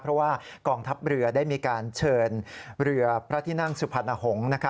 เพราะว่ากองทัพเรือได้มีการเชิญเรือพระที่นั่งสุพรรณหงษ์